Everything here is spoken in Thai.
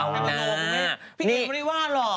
เอานะนะนี่พี่เอ๋ยก็ไม่ได้ว่าหรอก